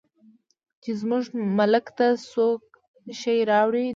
چې زموږ ملک ته څوک شی راوړي دننه